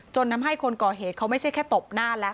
ทำให้คนก่อเหตุเขาไม่ใช่แค่ตบหน้าแล้ว